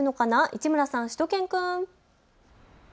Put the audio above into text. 市村さん、しゅと犬くん。